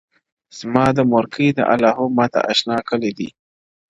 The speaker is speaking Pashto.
زما د مورکۍ د الاهو ماته آشنا کلی دی -